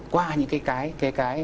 qua những cái cái cái cái